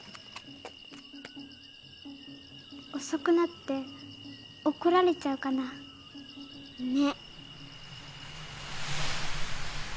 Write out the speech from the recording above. おそくなっておこられちゃうかな。ね。